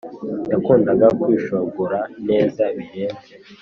yakundaga kwishongora neza birenze.